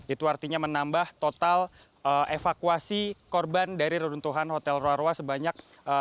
itu artinya menambah total evakuasi korban dari runtuhan hotel roa roa sebanyak tiga puluh